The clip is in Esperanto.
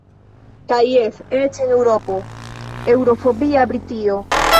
Kaj jes – eĉ en eŭropo-, eŭro-fobia Britio.